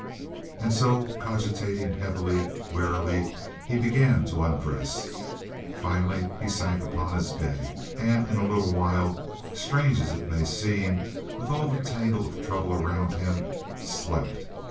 And so, cogitating heavily, wearily, he began to undress. Finally he sank upon his bed, and in a little while, strange as it may seem, with all the tangle of trouble around him, slept.